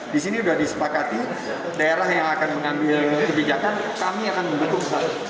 di sini sudah disepakati daerah yang akan mengambil kebijakan kami akan membentuk